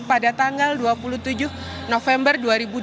pada tanggal dua puluh tujuh november dua ribu dua puluh